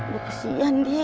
lu kesian deh